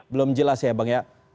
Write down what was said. belum jelas ya bang ya